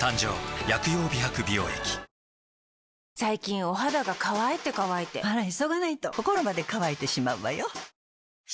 誕生最近お肌が乾いて乾いてあら急がないと心まで乾いてしまうわよ。